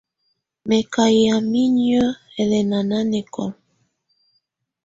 Mɛ̀ kà yamɛ̀́á inyǝ́ ɛliakɛna nanɛkɔ̀la.